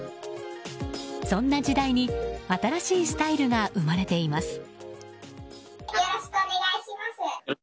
そんな時代に新しいスタイルが生まれています。